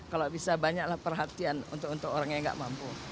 kalau bisa banyaklah perhatian untuk orang yang nggak mampu